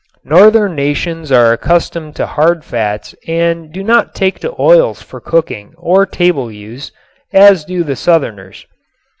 Northern nations are accustomed to hard fats and do not take to oils for cooking or table use as do the southerners.